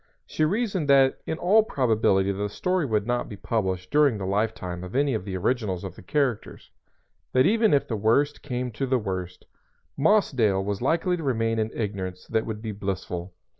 She reasoned that in all probability the story would not be published during the lifetime of any of the originals of the characters; that even if the worst came to the worst, Mossdale was likely to remain in ignorance that would be blissful.